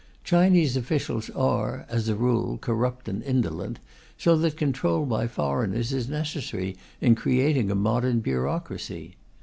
Chinese officials are, as a rule, corrupt and indolent, so that control by foreigners is necessary in creating a modern bureaucracy.